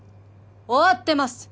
終わってます